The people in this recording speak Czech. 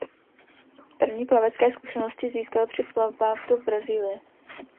První plavecké zkušenosti získal při plavbách do Brazílie.